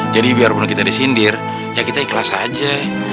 jadi biarpun kita disindir ya kita ikhlas aja